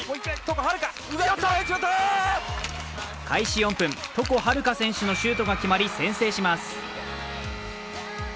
開始４分、床秦留可選手のシュートが決まり先制します。